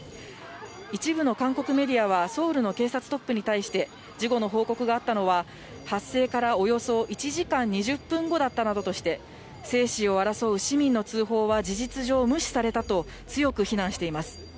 一部の韓国メディアは、ソウルの警察トップに対して、事故の報告があったのは、発生からおよそ１時間２０分後だったなどとして、生死を争う市民の通報は事実上、無視されたと、強く非難しています。